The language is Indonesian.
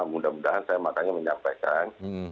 mudah mudahan saya makanya menyampaikan